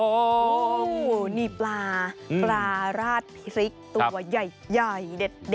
โอ้โหนี่ปลาปลาราดพริกตัวใหญ่เด็ด